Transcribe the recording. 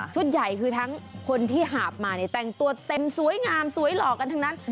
ใหญ่คือทั้งคนที่หาบมาเนี่ยแต่งตัวเต็มสวยงามสวยหล่อกันทั้งนั้น